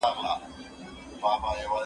چي له شا څخه یې خلاص د اوږو بار کړ